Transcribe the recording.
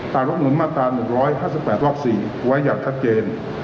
ต่างลดนูนมาตร๑๕๘๔ไว้อย่างคัดเจน